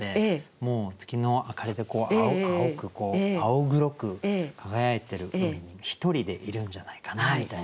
もう月の明かりで青黒く輝いてる海に一人でいるんじゃないかなみたいな。